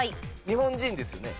日本人ですよね？